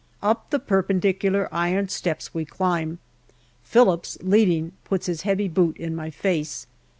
Up the perpendicular iron steps we climb. Phillips, leading, puts his heavy boot in my face.